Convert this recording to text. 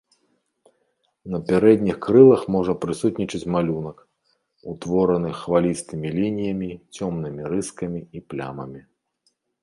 На пярэдніх крылах можа прысутнічаць малюнак, утвораны хвалістымі лініямі, цёмнымі рыскамі і плямамі.